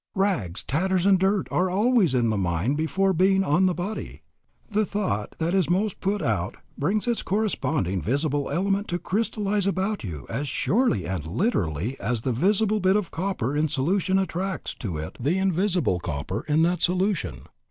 Rags, tatters, and dirt are always in the mind before being on the body. The thought that is most put out brings its corresponding visible element to crystallize about you as surely and literally as the visible bit of copper in solution attracts to it the invisible copper in that solution.